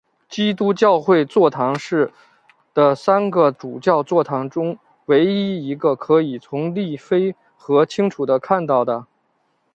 基督教会座堂是的三个主教座堂中唯一一个可以从利菲河清楚地看到的。